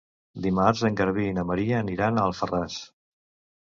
Dimarts en Garbí i na Maria aniran a Alfarràs.